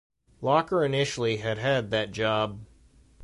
Lockyer initially had had that job.